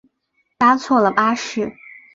搭错了巴士